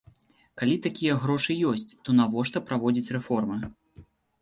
Калі такія грошы ёсць, то навошта праводзіць рэформы?